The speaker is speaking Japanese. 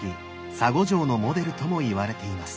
沙悟浄のモデルともいわれています。